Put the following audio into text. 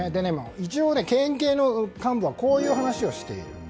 一応、県警の幹部はこういう話をしている。